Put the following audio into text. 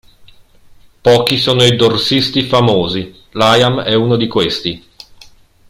Pochi sono i dorsisti famosi, Liam è uno di questi.